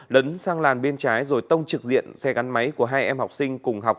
lấn sang làn bên trái rồi tông trực diện xe gắn máy của hai em học sinh cùng học